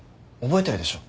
覚えてるでしょ？